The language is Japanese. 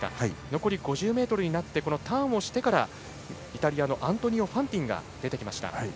残り５０ｍになってターンしてからイタリアのファンティンが出てきました。